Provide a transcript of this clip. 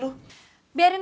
bukanlah cemburu bang